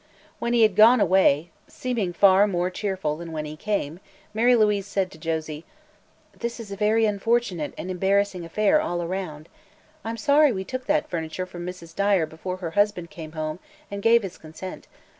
When he had gone away seeming far more cheerful than when he came Mary Louise said to Josie: "This is a very unfortunate and embarrassing affair, all around. I'm so sorry we took that furniture from Mrs. Dyer before her husband came home and gave his consent.